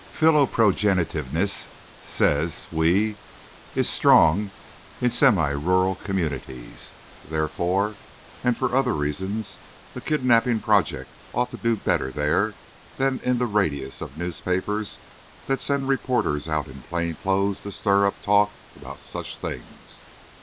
Philoprogenitiveness, says we, is strong in semi rural communities; therefore and for other reasons, a kidnapping project ought to do better there than in the radius of newspapers that send reporters out in plain clothes to stir up talk about such things.